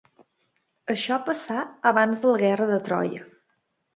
Això passà abans de la guerra de Troia.